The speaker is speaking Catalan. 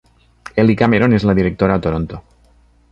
Ellie Cameron és la directora a Toronto.